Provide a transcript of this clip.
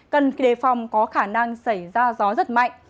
cần đề phòng có khả năng xảy ra gió rất mạnh